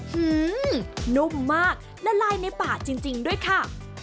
ื้อนุ่มมากละลายในปากจริงด้วยค่ะ